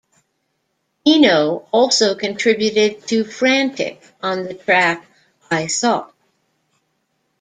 Eno also contributed to "Frantic" on the track "I Thought".